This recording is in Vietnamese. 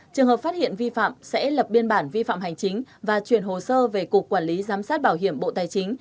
trường hợp phát hiện vi phạm sẽ lập biên bản vi phạm hành chính và chuyển hồ sơ về cục quản lý giám sát bảo hiểm bộ tài chính